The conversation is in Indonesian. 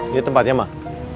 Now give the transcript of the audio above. ini tempatnya mak